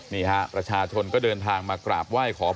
ราชาชนก็เผยเดินทางมากราบไหว้ของ